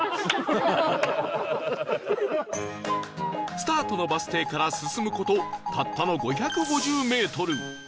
スタートのバス停から進む事たったの５５０メートル